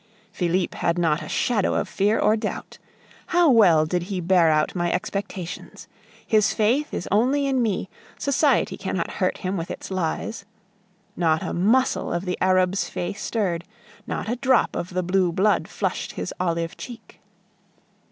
Felipe had not a shadow of fear or doubt. How well did he bear out my expectations! His faith is only in me, society cannot hurt him with its lies. Not a muscle of the Arab's face stirred, not a drop of the blue blood flushed his olive cheek.